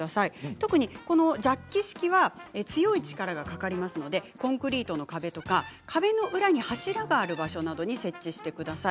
特にジャッキ式は強い力がかかりますのでコンクリートの壁とか壁の裏に柱がある場所などに設置してください。